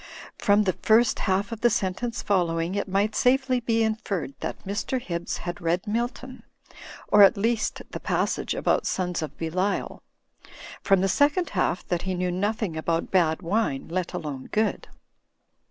From the first half of the sentence follow ing it might safely be inferred that Mr. Hibbs had IQ2 .,. ......THE FtYING INN • y read Milton, or at least the passage about sons of Belial; from the second half that he knew nothing about bad wine, let alone good.